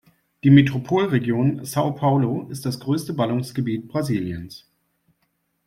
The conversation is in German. Die Metropolregion São Paulo ist das größte Ballungsgebiet Brasiliens.